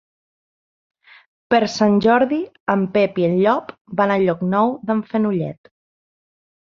Per Sant Jordi en Pep i en Llop van a Llocnou d'en Fenollet.